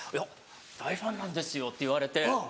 「大ファンなんですよ」って言われて。